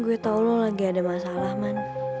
gue tau lo lagi ada masalah man